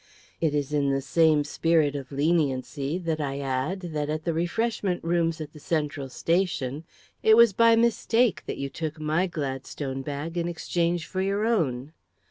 It is in the same spirit of leniency that I add that, at the refreshment rooms at the Central Station, it was by mistake that you took my Gladstone bag in exchange for your own.